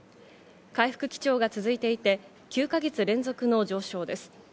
回復基調が続いていて、９か月連続の上昇です。